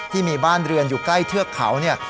ที่มีบ้านเรือนอยู่ใกล้เทือกเขาเนี่ย